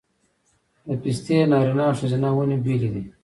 د پستې نارینه او ښځینه ونې بیلې دي؟